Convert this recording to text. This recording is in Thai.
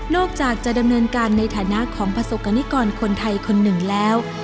จากจะดำเนินการในฐานะของประสบกรณิกรคนไทยคนหนึ่งแล้ว